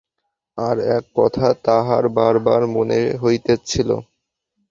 আর এক কথা তাহার বার বার মনে হইতেছিল।